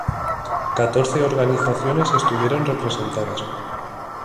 Catorce organizaciones estuvieron representadas.